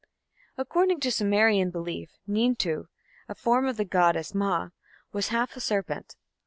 According to Sumerian belief, Nintu, "a form of the goddess Ma", was half a serpent.